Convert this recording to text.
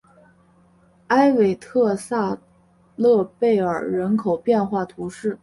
埃韦特萨勒贝尔人口变化图示